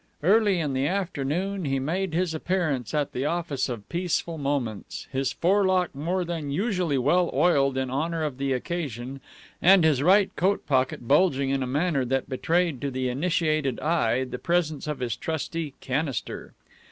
Early in the afternoon he made his appearance at the office of Peaceful Moments, his forelock more than usually well oiled in honor of the occasion, and his right coat pocket bulging in a manner that betrayed to the initiated eye the presence of his trusty "canister."